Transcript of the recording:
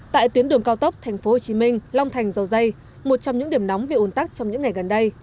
tại tuyến đường cao tốc tp hcm long thành dầu dây một trong những điểm nóng về ồn tắc trong những ngày gần đây